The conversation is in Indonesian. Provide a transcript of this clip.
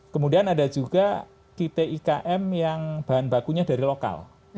kemudian ada juga kitik ikm yang bahan bakunya dari lokal